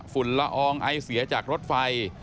ละอองไอเสียจากรถไฟ